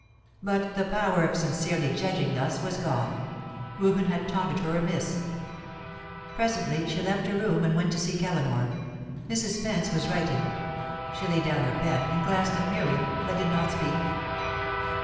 But the power of sincerely judging thus was gone. Reuben had taunted her amiss. Presently she left her room and went to seek Eleanor. Mrs. Spence was writing; she laid down her pen, and glanced at Miriam, but did not speak.